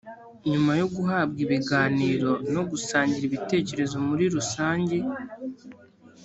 nyuma yo guhabwa ibiganiro no gusangira ibitekerezo muri rusange